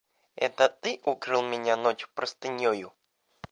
– Это ты укрыл меня ночью простынею?